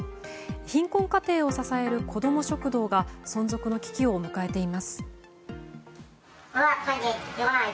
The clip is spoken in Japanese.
貧困家庭を支える子ども食堂が存続の危機を迎えています。